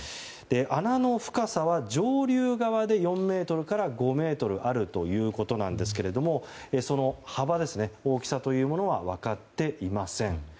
穴の深さは上流側で４ｍから５ｍあるということですが幅、大きさというものは分かっていません。